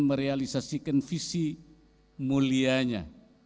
merealisasikan visi mulianya